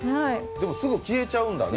でも、すぐ消えちゃうんだね。